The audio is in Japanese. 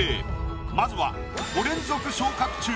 まずは５連続昇格中！